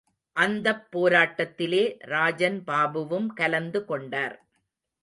அந்தப் போராட்டத்திலே ராஜன் பாபுவும் கலந்து கொண்டார்.